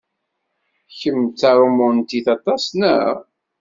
Kemm d taṛumantit aṭas, naɣ?